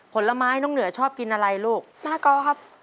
ผลไม้น้องเหนือชอบกินอะไรลูกปลากอครับ